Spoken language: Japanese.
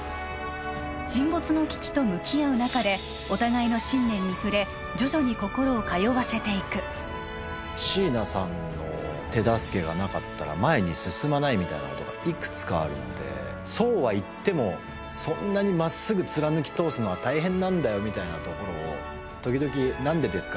沈没の危機と向き合う中でお互いの信念に触れ徐々に心を通わせていく椎名さんの手助けがなかったら前に進まないみたいなことがいくつかあるのでそうは言ってもそんなにまっすぐ貫き通すのは大変なんだよみたいなところを時々何でですか？